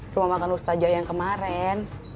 rumah makan ustaja yang kemarin